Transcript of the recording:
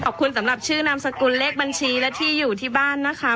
สำหรับชื่อนามสกุลเลขบัญชีและที่อยู่ที่บ้านนะคะ